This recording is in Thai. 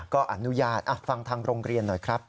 ก็อนุญาตฟังทางโรงเรียนหน่อยครับ